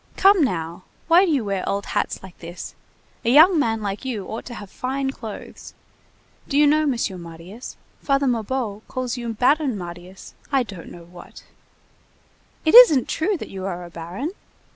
Come now! Why do you wear old hats like this! A young man like you ought to have fine clothes. Do you know, Monsieur Marius, Father Mabeuf calls you Baron Marius, I don't know what. It isn't true that you are a baron?